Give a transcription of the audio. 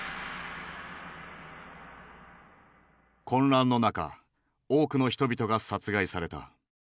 混乱の中多くの人々が殺害された。